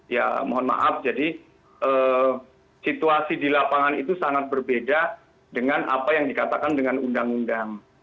ya mohon maaf jadi situasi di lapangan itu sangat berbeda dengan apa yang dikatakan dengan undang undang